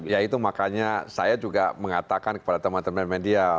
ya itu makanya saya juga mengatakan kepada teman teman media